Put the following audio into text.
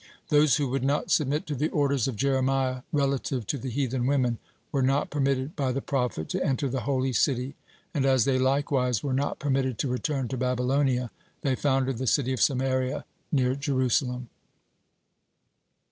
Those who would not submit to the orders of Jeremiah relative to the heathen women, were not permitted by the prophet to enter the holy city, and as they likewise were not permitted to return to Babylonia, they founded the city of Samaria near Jerusalem.